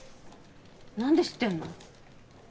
何で知ってんの？